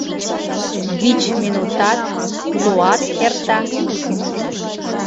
Вич минутат, луат эрта...